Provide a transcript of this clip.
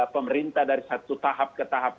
pemerintah dari satu tahap ke tahap